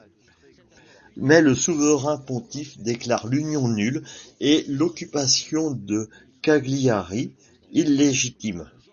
Mais le souverain pontife déclare l'union nulle et l'occupation de Cagliari illégitime.